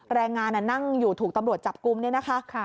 แรงงานนั่งอยู่ถูกตำรวจจับกลุ่มเนี่ยนะคะ